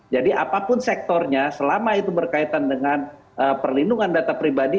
jadi apapun sektornya selama itu berkaitan dengan perlindungan data pribadi